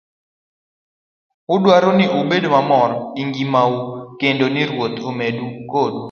Adwaro ni ubed mamor gi ngimau, kendo ni Ruoth obed kodu.